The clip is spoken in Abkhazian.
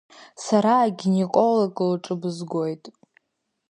Сара агинеколог лҿы бызгоит.